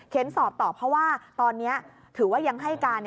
สอบต่อเพราะว่าตอนนี้ถือว่ายังให้การ